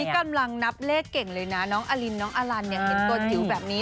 กำลังนับเลขเก่งเลยนะน้องอลินน้องอลันเนี่ยเห็นตัวจิ๋วแบบนี้